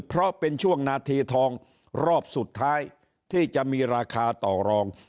เพราะเป็นช่วงนาทีทองรอบสุดท้ายที่จะมีราคาต่อรอง